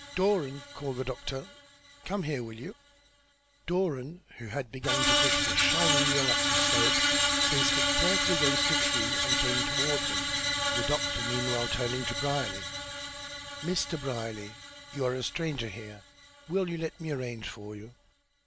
"Doran," called the doctor. "Come here, will you." Doran, who had begun to push the shining wheel up the slope, placed it carefully against a tree and came toward them, the doctor meanwhile turning to Brierly. "Mr. Brierly, you are a stranger here. Will you let me arrange for you?"